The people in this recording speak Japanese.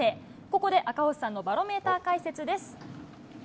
ここで赤星さんのバロメーター解説です。